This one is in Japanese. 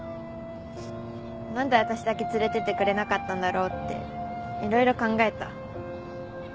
なんで私だけ連れてってくれなかったんだろうっていろいろ考えた。